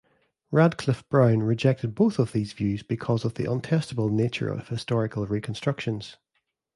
Radcliffe-Brown rejected both of these views because of the untestable nature of historical reconstructions.